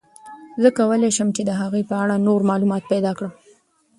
زه کولای شم چې د هغې په اړه نور معلومات پیدا کړم.